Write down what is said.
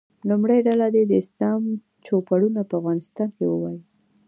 لومړۍ ډله دې د اسلام چوپړونه په افغانستان کې ووایي.